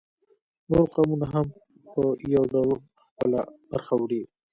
نور قومونه هم په یو ډول خپله برخه وړي